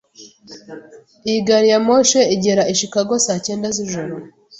Iyi gari ya moshi igera i Chicago saa cyenda z'ijoro.